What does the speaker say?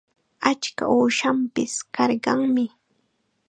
Achka uushanpis karqanmi.